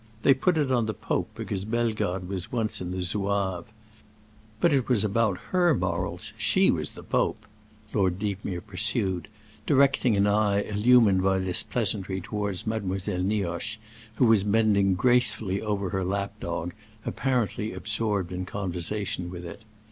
They put it on the Pope because Bellegarde was once in the Zouaves. But it was about her morals—she was the Pope!" Lord Deepmere pursued, directing an eye illumined by this pleasantry toward Mademoiselle Nioche, who was bending gracefully over her lap dog, apparently absorbed in conversation with it.